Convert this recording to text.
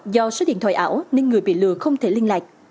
do số điện thoại ảo nên người bị lừa không thể liên lạc